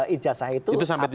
ijazah itu apa adanya